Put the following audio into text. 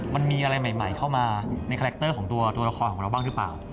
มันมีอะไรใหม่เข้ามาในคาแรคเตอร์ของตัวละครของเราบ้างหรือเปล่า